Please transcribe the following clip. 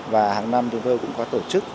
và hàng năm chúng tôi cũng có tổ chức